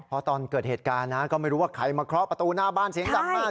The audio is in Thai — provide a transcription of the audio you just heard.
เพราะตอนเกิดเหตุการณ์นะก็ไม่รู้ว่าใครมาเคาะประตูหน้าบ้านเสียงดังมาก